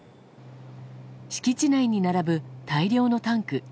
敷地内に並ぶ大量のタンク。